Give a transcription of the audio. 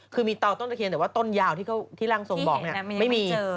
คือมีเตาต้นตะเคียนแต่ว่าต้นยาวที่ร่างทรงบอกไม่มี